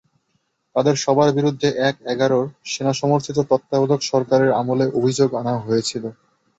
তাঁদের সবার বিরুদ্ধে এক-এগারোর সেনাসমর্থিত তত্ত্বাবধায়ক সরকারের আমলে অভিযোগ আনা হয়েছিল।